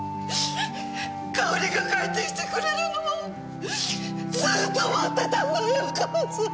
かおりが帰ってきてくれるのをずーっと待ってたんだよ母さん！